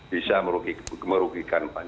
bisa merugikan pan